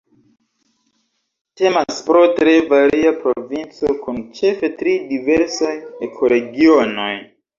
Temas pro tre varia provinco kun ĉefe tri diversaj ekoregionoj.